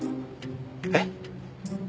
えっ？